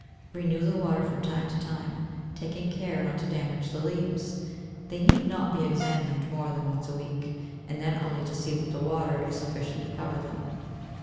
Renew the water from time to time, taking care not to damage the leaves. They need not be examined more than once a week, and then only to see that the water is sufficient to cover them.